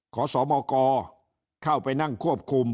ขอสมกเข้าไปนั่งควบคุม